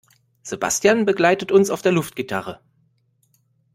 Sebastian begleitet uns auf der Luftgitarre.